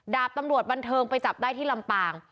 ดาบตำรวจบันเทิงไปจับได้ที่ลำปาง